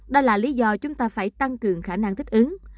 đây là lý do chúng ta phải tăng cường khả năng thích ứng